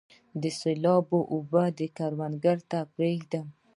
د سیلاب اوبه کروندې ته پریږدم؟